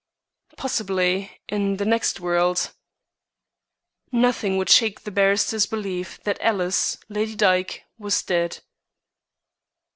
"Possibly in the next world." Nothing would shake the barrister's belief that Alice, Lady Dyke, was dead.